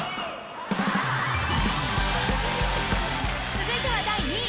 ［続いては第２位。